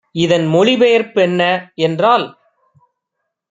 இதன் மொழிபெயர்ப் பென்ன என்றால்